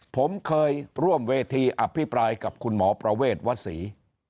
ผมเคยร่วมเวทีอภิปรายกับคุณหมอประเวทวศรี